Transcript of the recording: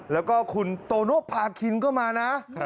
แล้วก็คุณโตโนภาคินก็มานะ